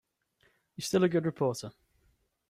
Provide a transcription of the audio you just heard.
You're still a good reporter.